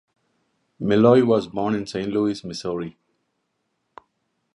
Milloy was born in Saint Louis, Missouri.